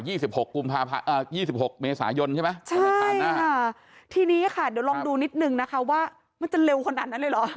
สิบหกกุมภาพอ่ายี่สิบหกเมษายนใช่ไหมใช่ค่ะหน้าอ่าทีนี้ค่ะเดี๋ยวลองดูนิดนึงนะคะว่ามันจะเร็วขนาดนั้นเลยเหรอ